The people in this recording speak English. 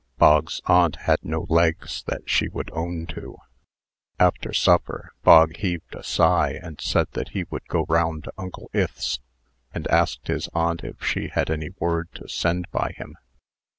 Bog's aunt had no legs that she would own to. After supper, Bog heaved a sigh, and said that he would go round to Uncle Ith's; and asked his aunt if she had any word to send by him.